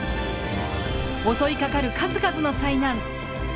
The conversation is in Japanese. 襲いかかる数々の災難。